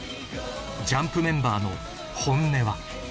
ＪＵＭＰメンバーの本音は？